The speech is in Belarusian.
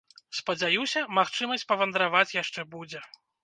Спадзяюся, магчымасць павандраваць яшчэ будзе.